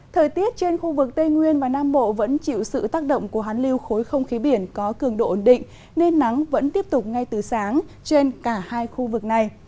thời tiết trên khu vực tây nguyên và nam bộ vẫn chịu sự tác động của hán lưu khối không khí biển có cường độ ổn định nên nắng vẫn tiếp tục ngay từ sáng trên cả hai khu vực này